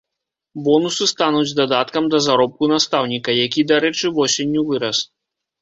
Бонусы стануць дадаткам да заробку настаўніка, які, дарэчы, восенню вырас.